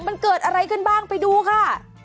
มันเกิดอะไรขึ้นบ้างไปดูค่ะ